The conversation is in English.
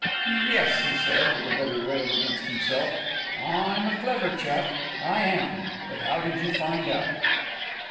"Yes," he said, with a bitter rail against himself. "I'm a clever chap, I am! But how did you find out?"